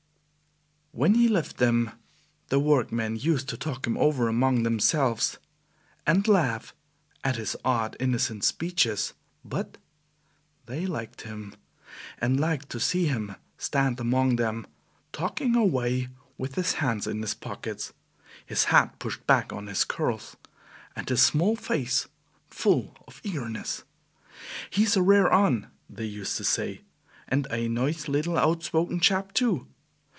When he left them, the workmen used to talk him over among themselves, and laugh at his odd, innocent speeches; but they liked him, and liked to see him stand among them, talking away, with his hands in his pockets, his hat pushed back on his curls, and his small face full of eagerness. "He's a rare un," they used to say. "An' a noice little outspoken chap, too.